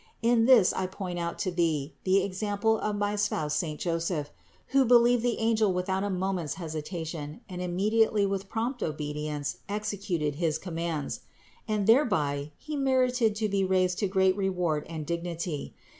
In this I point out to thee the example of my spouse saint Joseph, who believed the angel without a moment's hesita tion and immediately with prompt obedience executed his commands ; and thereby he merited to be raised to great reward and dignity.